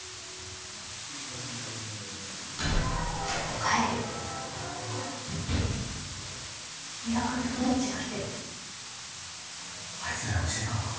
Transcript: おかえり三輪君ととどっちが来てるあいつらに教えたのか？